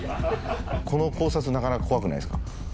この考察なかなか怖くないですか？